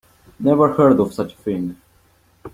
Never heard of such a thing.